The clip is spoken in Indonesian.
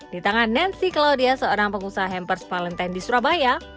di tangan nancy claudia seorang pengusaha hampers valentine di surabaya